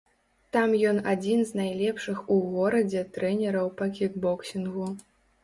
Там ён адзін з найлепшых у горадзе трэнераў па кікбоксінгу.